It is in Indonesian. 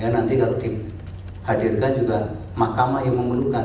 nanti akan dihadirkan juga mahkamah yang memerlukan